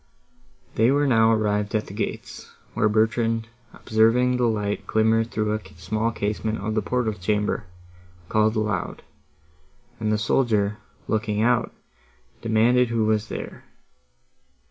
They were now arrived at the gates, where Bertrand, observing the light glimmer through a small casement of the portal chamber, called aloud; and the soldier, looking out, demanded who was there.